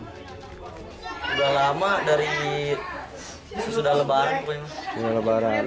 sudah lama dari sesudah lebaran